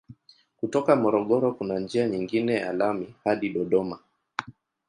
Kutoka Morogoro kuna njia nyingine ya lami hadi Dodoma.